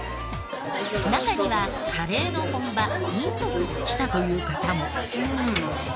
中にはカレーの本場インドから来たという方も！